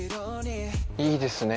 いいですね